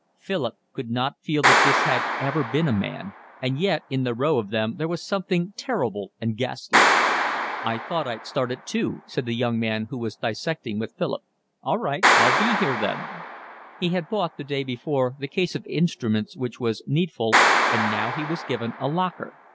Philip could not feel that this had ever been a man, and yet in the row of them there was something terrible and ghastly. "I thought I'd start at two," said the young man who was dissecting with Philip. "All right, I'll be here then." He had bought the day before the case of instruments which was needful, and now he was given a locker.